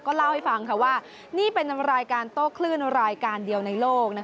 เล่าให้ฟังว่านี่เป็นรายการโต้คลื่นรายการเดียวในโลก